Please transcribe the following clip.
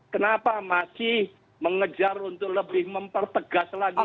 kenapa masih mengejar untuk lebih memperpegas lagi itu